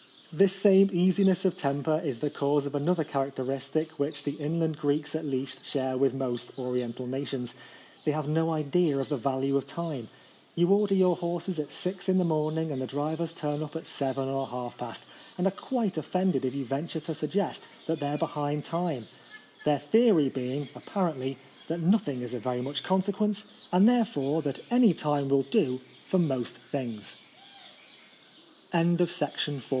This same easiness of temper is the cause of another characteristic which the inland Greeks at least share with most oriental nations. They have no idea of the value of time. You order your horses at six in the morn ing, and the drivers turn up at seven or half past, and are quite offended if you venture to suggest that they are behind time ; their theory being, apparently, that nothing is of very much consequence, and therefore that " any time will do " for most thin